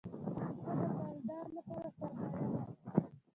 پسه د مالدار لپاره سرمایه ده.